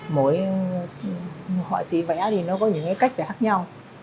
mỗi họa sĩ vẽ thì nó có những cái cách để khác nhau